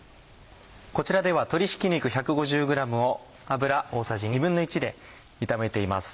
こちらでは鶏ひき肉１５０ｇを油大さじ１／２で炒めています。